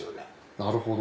なるほど。